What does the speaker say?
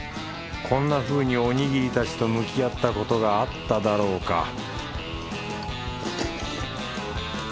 こんなふうにおにぎりたちと向き合ったことがあっただろうか？